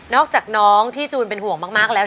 อกจากน้องที่จูนเป็นห่วงมากแล้ว